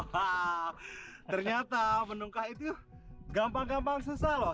hah ternyata menungkah itu gampang gampang susah loh